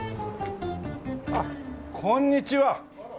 あっこんにちは。